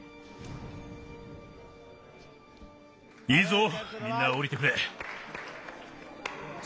いいぞみんなおりてくれ。